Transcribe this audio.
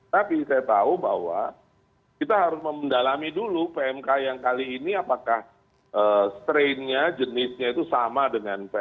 tapi saya tahu bahwa kita harus mendalami dulu pmk yang kali ini apakah strainnya jenisnya itu sama dengan pmk